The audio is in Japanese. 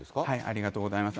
ありがとうございます。